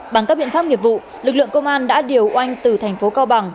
bằng các biện pháp nghiệp vụ lực lượng công an đã điều oanh từ thành phố cao bằng